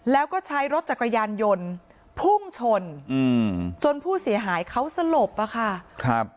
แล้วก็ใช้รถจักรยานยนต์พุ่งชนอืมจนผู้เสียหายเขาสลบอะค่ะครับ